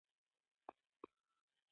ډيپلومات د ډیپلوماتیکو اصولو پابند وي.